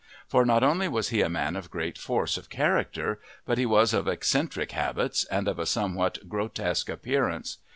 For not only was he a man of great force of character, but he was of eccentric habits and of a somewhat grotesque appearance.